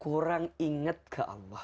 kurang ingat ke allah